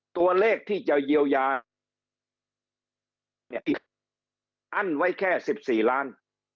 ตัวเลขที่จะเยียวยาย่อนไว้แค่๑๔ล้าน